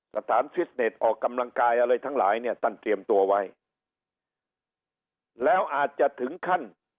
สถานฟิสเน็ตออกกำลังกายอะไรทั้งหลายเนี่ยท่านเตรียมตัวไว้แล้วอาจจะถึงขั้น